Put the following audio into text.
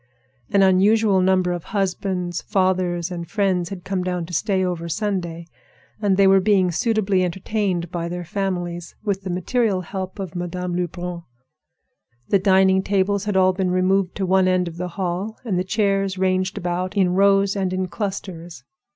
An unusual number of husbands, fathers, and friends had come down to stay over Sunday; and they were being suitably entertained by their families, with the material help of Madame Lebrun. The dining tables had all been removed to one end of the hall, and the chairs ranged about in rows and in clusters.